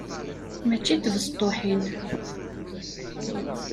Mačči n tbestuḥin!